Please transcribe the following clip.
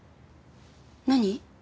何？